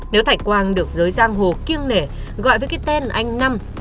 nếu thạch quang được giới giang hồ kiêng nể gọi với cái tên anh năm